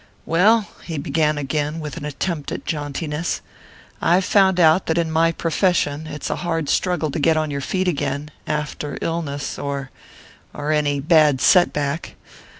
"Well," he began again, with an attempt at jauntiness, "I've found out that in my profession it's a hard struggle to get on your feet again, after illness or or any bad set back.